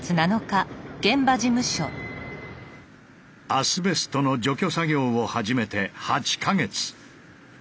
アスベストの除去作業を始めて８か月。